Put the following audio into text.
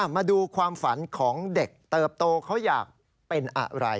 มาดูความฝันของเด็กเติบโตเขาอยากเป็นอะไร